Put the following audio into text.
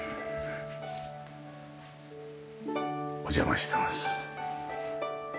お邪魔してます。